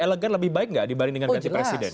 elegan lebih baik nggak dibandingkan ganti presiden